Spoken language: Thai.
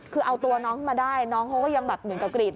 คือเอาตัวน้องขึ้นมาได้น้องเขาก็ยังแบบเหมือนกับกรีด